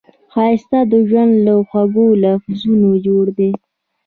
ښایست د ژوند له خوږو لحظو جوړ دی